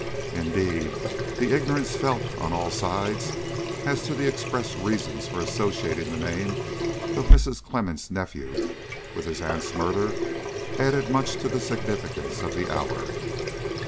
Indeed, the ignorance felt on all sides as to the express reasons for associating the name of Mrs. Clemmens' nephew with his aunt's murder added much to the significance of the hour.